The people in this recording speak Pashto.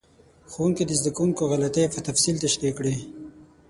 ښوونکي د زده کوونکو غلطۍ په تفصیل تشریح کړې.